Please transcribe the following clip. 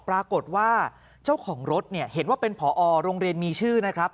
ปรากฏว่าเจ้าของรถเนี่ยเห็นว่าเป็นผอโรงเรียนมีชื่อนะครับ